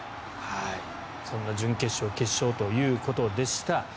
そんな準決勝、決勝ということでした。